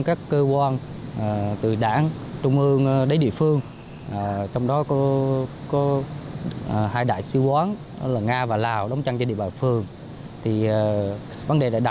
các phương án tác chiến bảo vệ an toàn mục tiêu